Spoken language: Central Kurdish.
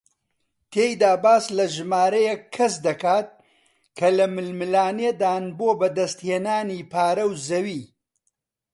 تێیدا باس لە ژمارەیەک کەس دەکات کە لە ململانێدان بۆ بەدەستهێنانی پارە و زەوی